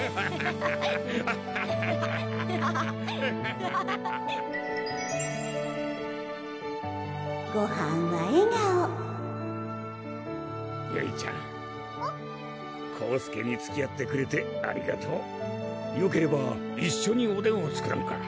ハハハハハごはんは笑顔ゆいちゃん宏輔につきあってくれてありがとうよければ一緒におでんを作らんか？